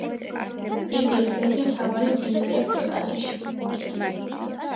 იგი ერთ-ერთი მთავარი მდინარეა ქვეყანაში.